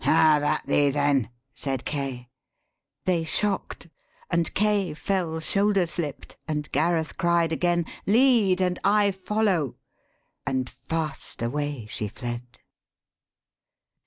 ' Have at thee then,' said Kay: they shock'd, and Kay Fell shoulder slipt, and Gareth cried again, 'Lead, and I follow,' and fast away she fled.